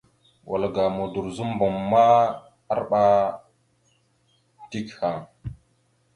Wal ga Modorəzobom arɓa dik haŋ.